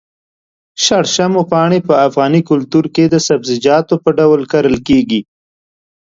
شړشمو پاڼې په افغاني کلتور کې د سبزيجاتو په ډول کرل کېږي.